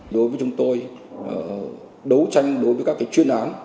đối với chúng tôi đấu tranh đối với các chuyên án